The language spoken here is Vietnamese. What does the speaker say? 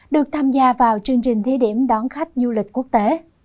được tham gia vào chương trình thế điểm đón khách du lịch quốc tế